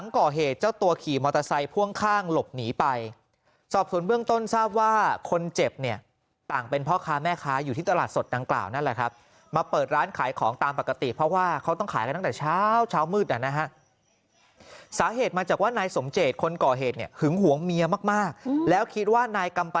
ก่อเหตุเจ้าตัวขี่มอเตอร์ไซค์พ่วงข้างหลบหนีไปสอบส่วนเบื้องต้นทราบว่าคนเจ็บเนี่ยต่างเป็นพ่อค้าแม่ค้าอยู่ที่ตลาดสดดังกล่าวนั่นแหละครับมาเปิดร้านขายของตามปกติเพราะว่าเขาต้องขายกันตั้งแต่เช้าเช้ามืดนะฮะสาเหตุมาจากว่านายสมเจตคนก่อเหตุเนี่ยหึงหวงเมียมากแล้วคิดว่านายก